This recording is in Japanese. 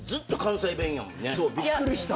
びっくりした。